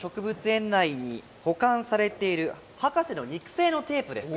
園内に保管されている博士の肉声のテープです。